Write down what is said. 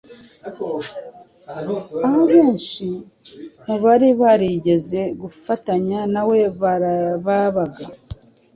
aho abenshi mu bari barigeze gufatanya nawe babaga;